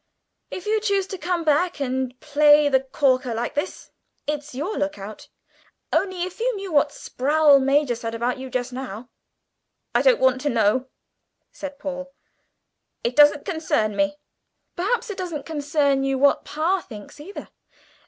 "If you choose to come back and play the corker like this, it's your look out. Only, if you knew what Sproule major said about you just now " "I don't want to know," said Paul; "it doesn't concern me." "Perhaps it doesn't concern you what pa thinks either?